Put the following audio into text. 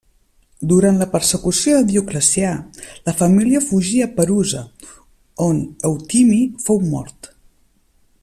Durant la persecució de Dioclecià la família fugí a Perusa, on Eutimi fou mort.